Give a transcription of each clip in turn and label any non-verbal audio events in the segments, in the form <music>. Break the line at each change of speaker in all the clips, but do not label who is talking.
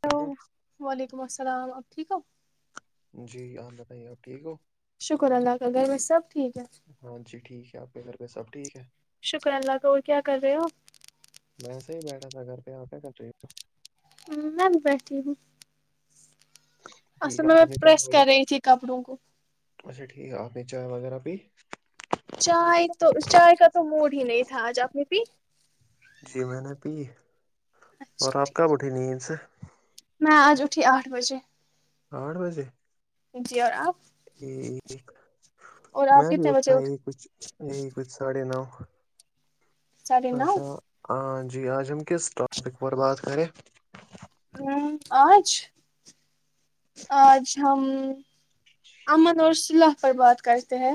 Hello وعلیکم السلام ٹھیک ہے
جی الد بائیے آپ ٹھیک ہو
شکر اللہ کا گھر میں سب ٹھیک ہے
ب سب ٹھیک ہے
شکر اللہ کا اور کیا کر رہے ہوپ
ویسے ہی بیٹھا تھا گھر پہ آتے کٹری کا
ہ میں بھی بیٹھی ہوں
ٹھیک
اصل
ہے
میں میں
آپ نے
پریس کر رہی تھی کپڑوں کو
اچا ٹھیک آپ نے چائے وغیرہ پ
چائے تو چائے کا تو موور بھی نہیں تھا آج آپ نے بھی
جی میں نے پی
اچھا
اور آپ
ٹھیک
کہب اٹھی نیند سے
میں آج اٹھی آٹھ بجے
آٹھ بجے
جی اور آپ
ٹھیک
اور آپ
میں بھی
کتنے بجے
اتنا
اٹھ
یہ کچھ یہی کچھ ساڑھے نو
ساڑھے نو
اچھا آ جی ہاجم کس ٹریفک پرور بات کرے
ہ آج آج ہم امن اور صلہ پر بات کرتے ہیں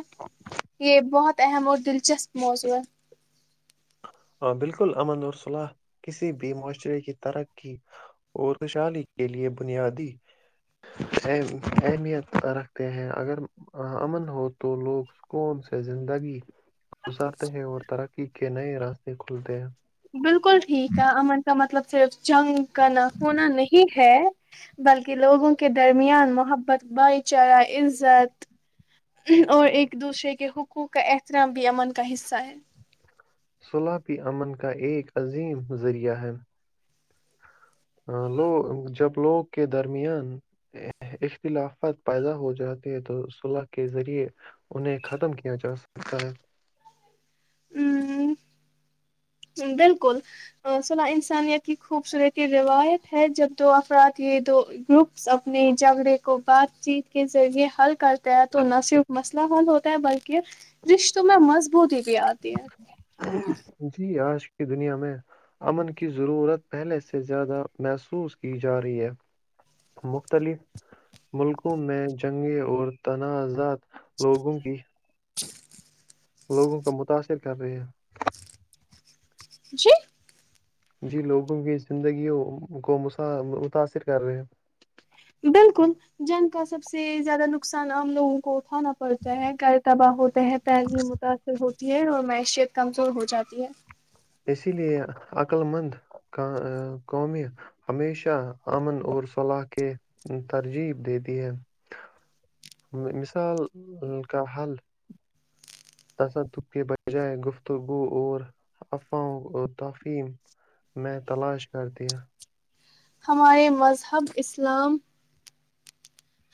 یہ بہت اہم اور دلچسپ موضوع ہے
ہ بالکل امن اور صلاح کسی بھی معاشرے کی ترقی اور خوشحالی کے لیے بنیادی ا اہمیت رکھتے ہیں اگر امن ہو تو لوگ سکون سے زندگی گزارتے ہیں اور ترقی کے نئے راستے کھلتے ہیں
بالکل ٹھیک ہے امن کا مطلب صرف جنگ کا نخنا نہیں ہے بلکہ لوگوں کے درمیان محبت بھائی چارہ عزت اور ایک دوسرے کے حقوق کا احترام بھی امن کا حصہ ہے
سلاپی امن کا ایک عظیم ذریعہ ہے لو جب لوگوں کے درمیان اختلافات پیدا ہو جاتے ہیں تو صلح کے ذریعے انہیں ختم کیا جا سکتا ہے
ہوں <unintelligible> بالکل صلا انسانیت کی خوبصورتی روایت ہے جب دو افراد یہ دو گروپس اپنے جھگڑے کو بات چیت کے ذریعے حل کر دہ دھونا سف مست حل ہوتا ہے بلکہ رشتوں میں مز بوتی بھی آتی ہے
جی آج دنیا میں امن کی ضرورت پہلے سے زیادہ محسوس کی جا رہی ہے مختلف ملکوں میں جنگیں اور تنازعات لوگوں کی
ج <unintelligible> <inaudible>
لوگوں کو متاثر کر رہے ہیں
جی
جی لوگوں کی زندگیوں کو متاثر کر رہے ہیں
بالکل جنگ کا سب سے زیادہ نقصان آام لوگوں کو ہوتا اھانا پڑتا ہے گیر تباہ ہوتے ہیں پہلی متاثر ہو بھیھیڑ اور معیشیت کمزور ہو جاتی ہے
اسی لیے عقل مند قومی ہمیشہ امن اور صلاح کے ترجیب دیتی ہے مثال کا حل تصدق کے بجائے گفتگو اور افواہ و تفیم میں تلاش کر دیا
ہمارے مذہب اسلام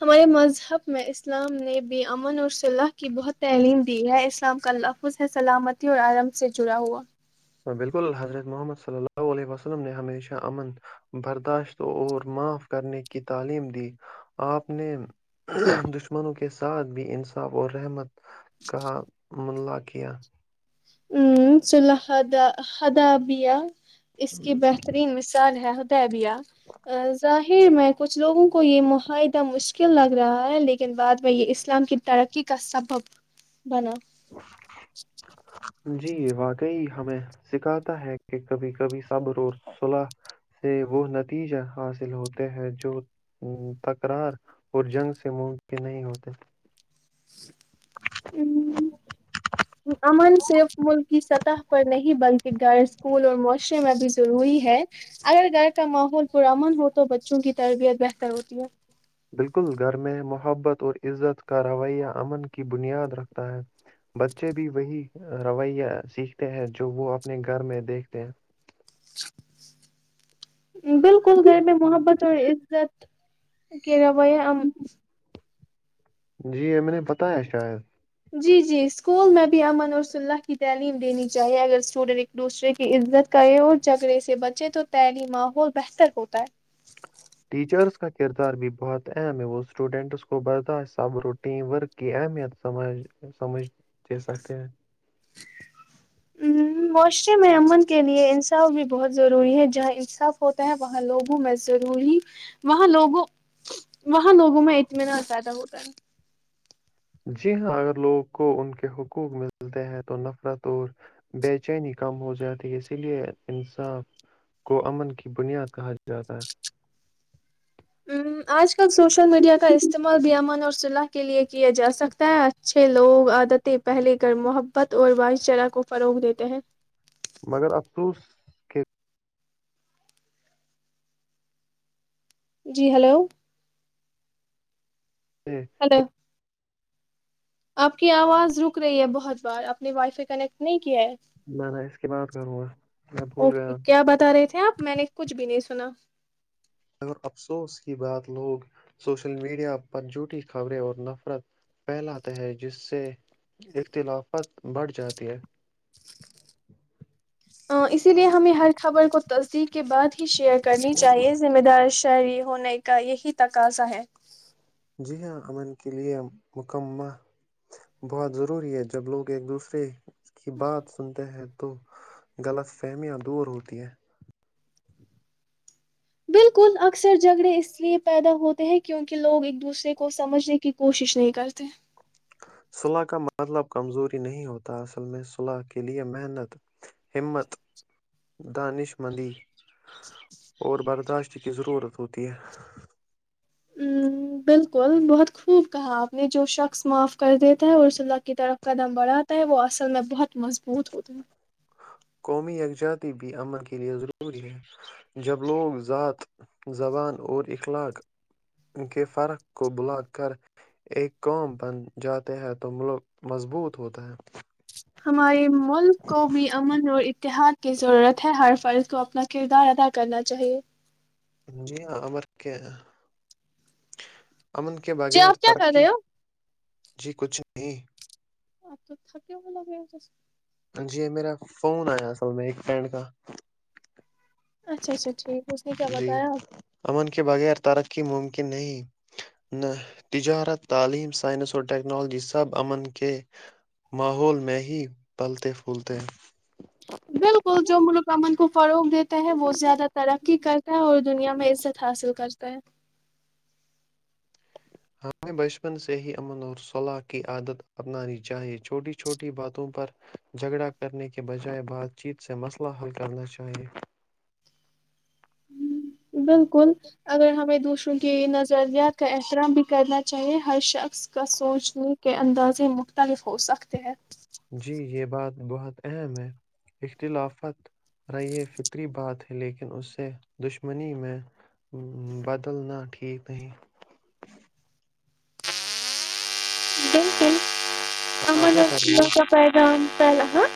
ہمارے مذہب میں اسلام نے بھی امن اور صلہ کی بہت تعلیم دی ہے اسلام کا لفظ ہے سلامتی اور آرم سے جڑا ہوا
بالکل حضرت محمد صلی اللہ علیہ وسلم نے ہمیشہ امن برداشت اور معاف کرنے کی تعلیم دی آپ نے دشمنوں کے ساتھ بھی انصاف اور رحمت کا ملہ کیا
ہ سلحدہ حدابیہ اس کی بہترین مثال ہے بیا ظاہر میں کچھ لوگوں کو یہ معاہدہ مشکل لگ رہا ہے لیکن بعد میں یہ اسلام کی ترقی کا سبب بنا
جی واقعی ہمیں سکھاتا ہے کہ کبھی کبھی صبر اور صلاح سے وہ نتیجے حاصل ہوتے ہیں جو تکرار اور جنگ سے ممکن نہیں ہوتے
ام، امن صرف ملک کی سطح پر نہیں بلکہ گھر اسکول اور معاشرے میں بھی ضروری ہے اگر گھر کا ماحول پرمن ہو تو بچوں کی تربیت بہتر ہوتی ہے
بالکل گھر میں محبت اور عزت کا رویہ امن کی بنیاد رکھتا ہے بچے بھی وہی رویہ سیکھتے ہیں جو وہ اپنے گھر میں دیکھتے ہیں
بالکل گھر میں محبت اور جات گلا وہ ہم <unintelligible>
جی میں نے پتایا شاید <unintelligible>
جی جی اسکول میں بھی امن اور ص اللہ کی تعلیم دینی چاہیے اگر اسٹوڈینٹ ایک دوسرے کی عزت کرے اور جھگڑے سے بچے تو تیلی ماحول بہتر ہوتا ہے <unintelligible>
ٹیچرس کا کردار بھی بہت اہم ہے وہ اسٹوڈینٹس کو برداشت صبر و ٹیم ورک کی اہمیت سمج سمجھ دے سکتے ہیں <unintelligible>
ا معاشرے میں امن کے لیئے انصاف بھی بہت ضروری ہے جہاں انصاف ہوتا ہے وہاں لوگوں میں ضروری وہاں لوگوں وہاں لوگوں میں اطمینان زیادہ ہوتا ہے <unintelligible>
<unintelligible>
آج کل سوشل میڈیا کا استعمال بھی امن اور صلاح کے لیئے کیا جاسکتا ہے اچھے لوگ عادتیں پہلے کر محبت اور بھائی چارہ کو فروغ دیتے ہیں <unintelligible>
مگر افسوس کہ <unintelligible>
جی ہلو <unintelligible> ہلو <unintelligible> آپ کی آواز رک رہی ہے بہت بار آپ نے وائی فائی کنیکٹ نہیں کیا ہے
میں نا اس کی بات
<unintelligible>
کروں گا میں بھول گیا
اوکے کیا بتا رہے تھے آپ میں نے کچھ بھی نہیں سنا <unintelligible>
اگر افسوس کی بات لوگ سوشل میڈیا پر جھوٹی خبریں اور نفرت پھیلاتے ہیں جس سے اختلافت بڑھ جاتی ہے <unintelligible>
اسی لیے ہمیں ہر خبر کو تصدیق کے بعد ہی <unintelligible> شیئر کرنی چاہیے ذمہ دار <unintelligible> شہری ہونے کا یہی تقاضا ہے
جی ہاں امن کے لیے مکمہ بہت ضروری ہے جب لوگ ایک دوسرے اس کی بات سنتے ہیں تو غلط فہمیاں دور ہوتی ہیں
بالکل اکثر جھگڑے اس لیے پیدا ہوتے ہیں کیونکہ لوگ ایک دوسرے کو سمجھنے کی کوشش نہیں کرتے
صلح کا مطلب کمزوری نہیں ہوتا اصل میں صلح کے لیے محنت ہمت دانش مندی اور برداشت اس کی ضرورت ہوتی ہے
ہ بالکل بہت خوب کہا آپ نے جو شخص معاف کر دیتا ہے اور ص اللہ کی طرف قدم بڑھاتا ہے وہ اصل میں بہت مضبوط ہوتا ہے
قومی یکجاتی بھی امن کے لئے ضروری ہے جب لوگ ذات زبان اور اخلاق کے فرق کو بلا کر ایک قوم بن جاتے ہیں تو ملک مضبوط ہوتا ہے
ہمارے ملک کو بھی امن اور اتحاد کی ضرورت ہے ہر فرض کو اپنا کردار ادا کرنا چاہیے
جی ہاں عمر کیا ہیں امن کے
جی
بغیر
آپ کیا کر
ترقی
رہے ہو
جی کچھ نہیں
آ تو تھاے بلا گیا جاس
جی میرا فون آیا اصل میں ایک فنڈ کا
اچھا اچھا ٹھیک اس نے کیا
جی
بتایا
امن کے بغیر ترقی ممکن کہ نہیں نہ تجارت تعلیم سائنس اور ٹیکنالوجی سب امن کے ماحول میں ہی پلتے پھولتے ہیں
بالکل جو ملوک امن کو فروغ دیتے وہ زیادہ ترقی کرتا ہے اور دنیا میں عزت حاصل کرتا پ
ہمیں بچپن سے ہی امن اور صلاح کی عادت اپنانی چاہیئے چھوٹی چھوٹی باتوں پر جھگڑا کرنے کے بجائے بات چیت سے مسئلہ حل کرنا چاہیئے
بالکل اگر ہمیں دوسروں کی نظریات کا احترام بھی کرنا چاہیے ہر شخص کا سوچنے کے اندازے مختلف ہو سکتے ہیں
جی یہ بات بہت اہم ہے اختلافت رہی فطری بات ہے لیکن اسے دشمنی میں بدلنا ٹھیک نہیں آپ کیا کر رہی ہو
لو کا پیدن ہاں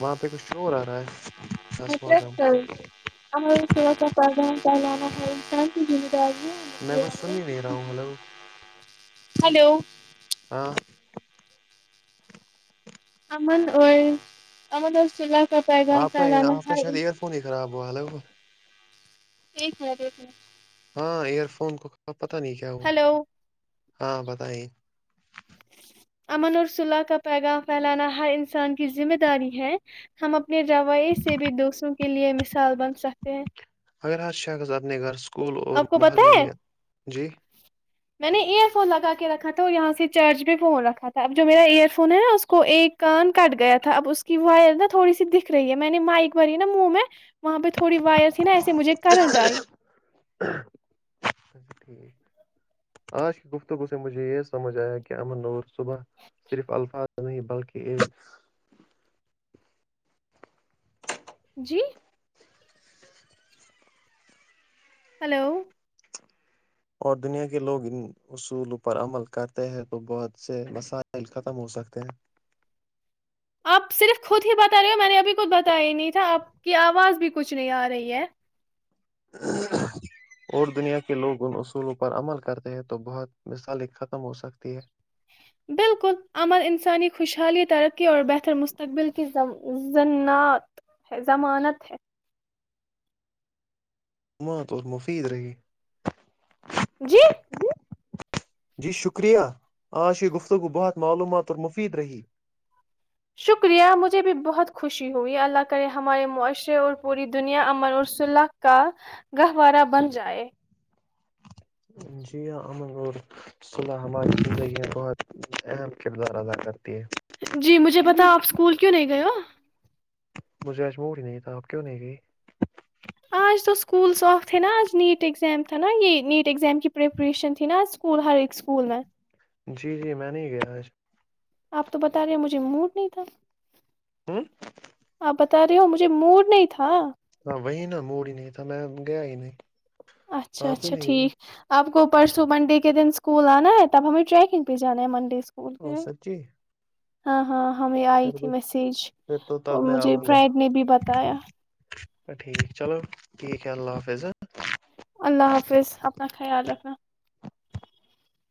وہاں پہ کچھ شور آ رہا ہے
م
السلام علیکم
کر آ سڑ سا پادا پا
میں کچھ سن ہی نہیں رہا ہوں ہلو
ہلو
ہاں
ہمن اور امن اور چلہ
آپ کا آپ کا شاید ایئر فون ہی خراب ہے وہلو
ایکیک مر ایک م
ہاں ایئر فون کو اب پتا نہیں کیا ہوا
ہلو
ہاں بتائی
امن اور صلہ کا پیغام پھیلانا ہر انسان کی ذمہ داری ہے ہم اپ پ رویے سے بھی دو سو کے لیے مثال بن سکتے ہیں
اگر حر شخص اپنے گھر کو
آپ کو پتا ہے
اچھا
میں نے ایئر فون لگا رکھا تھا یہاں سے چرچ پ فون رکھا تھا اب جو میرا ایئر فون ہے نا اس کو ایک کن کٹ گیا تھا اب اس کی وائر نا تھوڑی سی دکھ رہی ہے میں نے مائک ب ہی نا منہ میں وہاں پہ تھوڑی وائر تھی نا ایسے مجھے کرنٹ آئی
ٹھیک آج کی گفتگو سے مجھے یہ سمجھ آیا کہ امن اورور صبح صرف الفاظ نہیں بلکہ ع
جی ہلو
اور دنیا کے لوگ ان اصول پر عمل کرتے ہیں تو بہت سے مسائل ختم ہو سکتے ہیں
آپ صرف خود ہی بتا رہے ہو میں نے ابھی کھ بتایا ہی نہیں تھا آپ کی آواز بھی کچھ نہیں آ رہی ہے
اور دنیا کے لوگ ان اصولوں پر عمل کرتے ہیں تو بہت مثالی ختم ہو سکتی ہے
بالکل امن انسانی خوشحالی ترقی اور بہتر مستقبل کین ہے ضمانت ہے
مات اور مفید رہے
جی
جی شکریہ آج یہ گفتگو بہت معلومات اور مفید رہی
شکریہ مجھے بھی بہت خوشی ہوئی اللہ کرے ہمارے معاشرے اور پوری دنیا امن اورسح کا گہوارہ بن جائے
جی ہاں امن اور صلح ہماری زندگی میں بہت اہم کردار ادا کرتے
جی مجھے پتا آپ اسکول کیوں نہیں گئے ہو
مجھے اجموور ہی نہیں تھا آپ کیوں نہیں گئے؟
آج تو اسکول ساف تھے نا آج نیٹ ایگزام تھا نا یہ نیٹ ایگزام کی پریپریشن تھی نا آج اسکول ہر اسکول میں
جی جی میں نہیں گیا آج
آپ تو بتا رہے مجھے موڈ نہیں تھا
ہوں
آپ بتا رہے ہو مجھے موڈ نہیں تھا
ہاں وہی نا موڑ ہی نہیں تھا میں گیا ہی نہیں
اچھا
آپ کیوں
اچھا
نہیں گئی
ٹھیک آپ کو پرسوں منڈے کے دن اسکول آنا ہے تب ہمیں ٹریکنگ پہ جا ہے مڈے اسک
اورو سچی
ہاں ہاں ہمیں آئی
پھر
تھی
تو
میسج
پھر تو تب
اور
میں
مجھے
آؤں گا
فرینڈ نے بھی بتایا
ٹھیک چلو ٹھیک ہے اللہ حافظ
اللہ حافظ اپنا خیال رکھنا